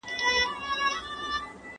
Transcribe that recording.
ده زړونو کور کلي له راشه، نو ودان به شې.